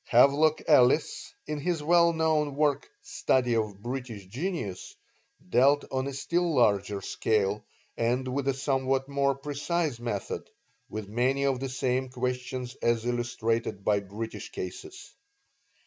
Havelock Ellis in his well known work "Study of British Genius" dealt on a still larger scale, and with a somewhat more precise method, with many of the same questions as illustrated by British cases.